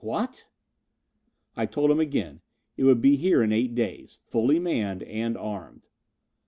"What!" I told him again. It would be here in eight days. Fully manned and armed.